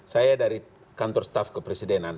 saya dari kantor staf kepresidenan